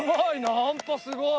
ナンパすごい。